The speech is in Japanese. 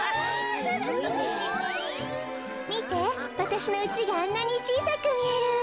みてわたしのうちがあんなにちいさくみえる。